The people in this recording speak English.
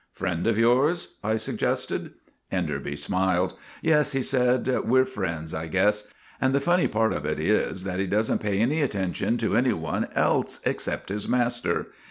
"Friend of yours?' I suggested. Enderby smiled. " Yes," he said, "we're friends, I guess. And the funny part of it is that he does n't pay any attention to any one else except his master.